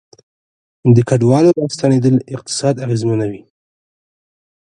د کډوالو راستنیدل اقتصاد اغیزمنوي